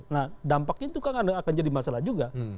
nah dampaknya itu kan akan jadi masalah juga